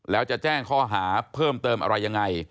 แล้วจะแจ้งข้อหาเพิ่มเติมอะไรยังไง